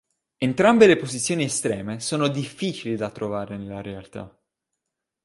Entrambe le posizioni estreme sono difficili da trovare nella realtà.